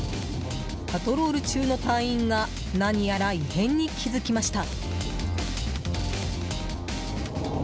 パトロール中の隊員が何やら異変に気付きました。